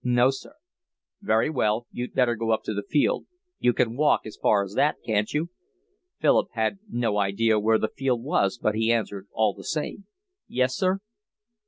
"No, sir." "Very well. You'd better go up to the field. You can walk as far as that, can't you?" Philip had no idea where the field was, but he answered all the same. "Yes, sir."